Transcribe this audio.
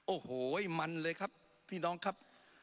โอ้โหมันเลยครับพี่น้องครับ